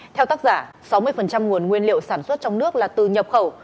theo tác giả sáu mươi nguồn nguyên liệu sản xuất trong nước là từ nhập khẩu